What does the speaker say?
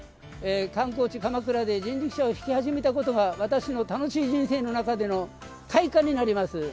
観光地・鎌倉で人力車を引き始めたことが私の楽しい人生の中での快感になります。